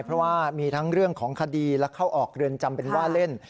เพราะว่ามีทั้งเรื่องของคดีและเข้าออกเรือนจำเป็นว่าเล่น